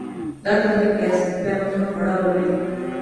دا تحریک د عصبي پیغامونو په ډول وي.